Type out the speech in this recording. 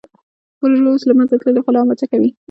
بورژوا اوس له منځه تللې خو لا هم هڅه کوي.